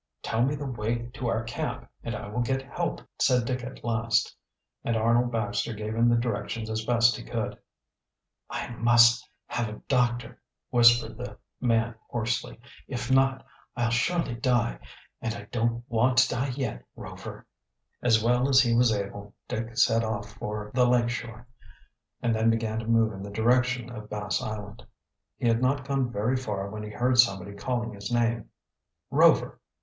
"Tell me the way to our camp and I will get help," said Dick at last. And Arnold Baxter gave him the directions as best he could. "I must have a doctor," whispered the man hoarsely. "If not, I'll surely die. And I don't want to die yet, Rover!" As well as he was able, Dick set off for the lake shore and then began to move in the direction of Bass Island. He had not gone very far when he heard somebody calling his name. "Rover!